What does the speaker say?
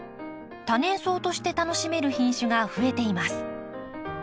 多年草として楽しめる品種が増えています。